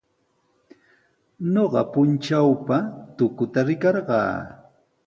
Ñuqa puntrawpa tukuta rikarqaa.